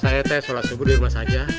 saya teh sholat subuh di rumah saja